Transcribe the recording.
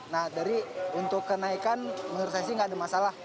nah dari untuk kenaikan menurut saya sih nggak ada masalah